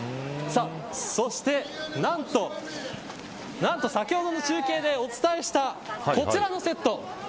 そして、何と先ほどの中継でお伝えしたこちらのセット